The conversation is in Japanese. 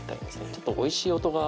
ちょっとおいしい音が。